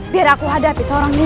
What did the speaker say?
biar aku hadapi seorang diri